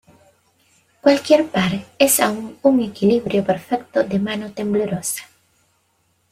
Cualquier par es aún un equilibrio perfecto de mano temblorosa.